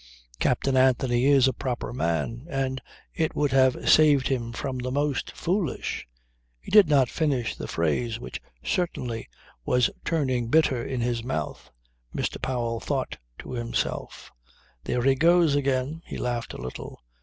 Captain Anthony is a proper man. And it would have saved him from the most foolish " He did not finish the phrase which certainly was turning bitter in his mouth. Mr. Powell thought to himself: "There he goes again." He laughed a little.